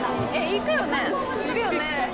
行くよね？